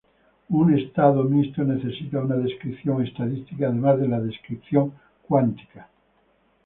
Un estado mixto necesita una descripción estadística además de la descripción cuántica.